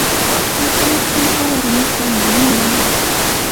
Hatun sunqu warmiqa munanan